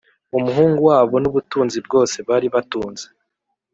umuhungu wabo n’ ubutunzi bwose bari batunze